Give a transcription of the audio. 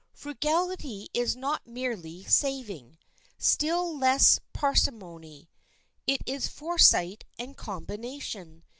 Frugality is not merely saving, still less parsimony. It is foresight and combination.